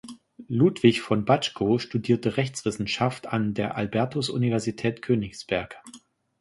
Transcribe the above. Ludwig von Baczko studierte Rechtswissenschaft an der Albertus-Universität Königsberg.